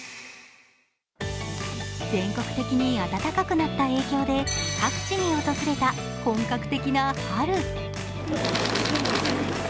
全国的に暖かくなった影響で各地に訪れた本格的な春。